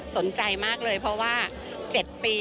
สนใจมากเลยเพราะว่า๗ปี